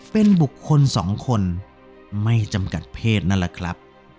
เป็นบุคคลสองคนไม่จำกัดเพศนั่นแหละครับ